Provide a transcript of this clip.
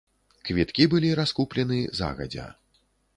Квіткі былі раскуплены загадзя.